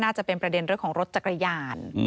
จะเป็นประเด็นเรื่องของรถจักรยาน